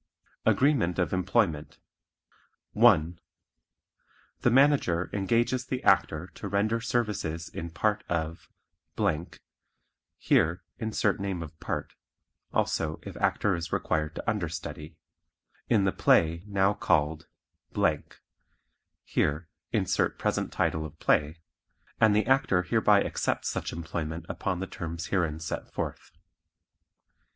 Agreement of Employment 1. The Manager engages the Actor to render services in part of (Here insert name of part; also if Actor is required to understudy) in the play now called (Here insert present title of play) and the Actor hereby accepts such employment upon the terms herein set forth.